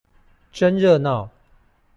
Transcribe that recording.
真熱鬧